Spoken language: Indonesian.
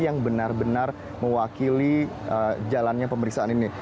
yang benar benar mewakili jalannya pemeriksaan ini